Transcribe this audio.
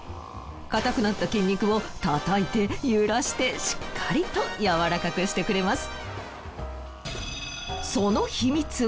硬くなった筋肉をたたいて揺らしてしっかりと柔らかくしてくれます。